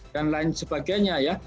dan lain sebagainya ya